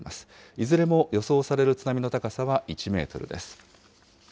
いずれも予想される津波の高さは１メートルです。